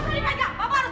di mana dia mau ketemu